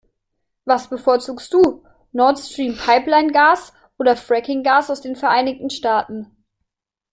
Was bevorzugst du, Nord-Stream-Pipeline-Gas oder Fracking-Gas aus den Vereinigten Staaten?